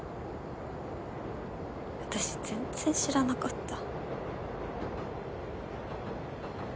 私全然知らなかった。